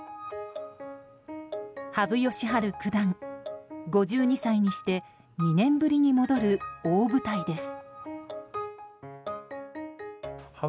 羽生善治九段、５２歳にして２年ぶりに戻る大舞台です。